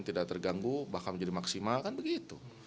tidak terganggu bahkan menjadi maksimal kan begitu